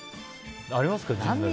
ありますか？